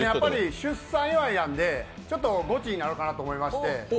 出産祝いなんで、ちょっとゴチになるかなと思ってまして。